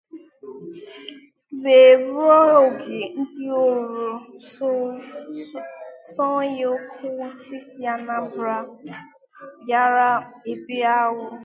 wee ruo oge ndị ọrụ nsọnyụọkụ steeti Anambra bịara ebe ahụ